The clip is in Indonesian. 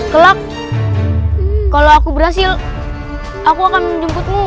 kelak kalau aku berhasil aku akan jemputmu